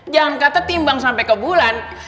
jangan kata timbang sampai ke bulan